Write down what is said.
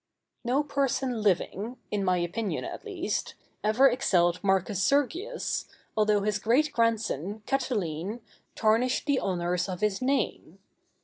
No person living, in my opinion at least, ever excelled Marcus Sergius, although his great grandson, Catiline, tarnished the honors of his name.